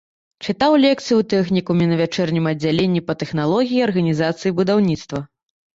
Чытаў лекцыі ў тэхнікуме на вячэрнім аддзяленні па тэхналогіі і арганізацыі будаўніцтва.